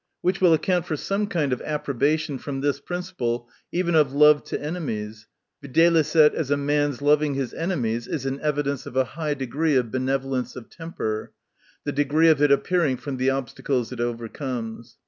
Which will account for some kind of approbation, from this principle, even of love to ene mies, viz., as a man's loving his enemies is an evidence of a high degree of be nevolence of temper ; the degree of it appearing from the obstacles it over comes.